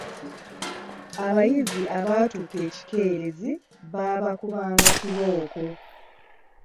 Abayizi abatuuka ekikeereze baabakubanga kibooko.